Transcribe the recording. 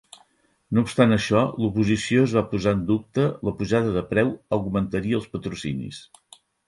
No obstant això, l'oposició es va posar en dubte la pujada de preu augmentaria els patrocinis.